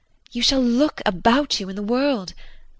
You shall look about you in the world.